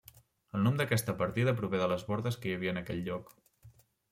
El nom d'aquesta partida prové de les bordes que hi havia en aquell lloc.